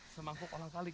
semangkuk orang saling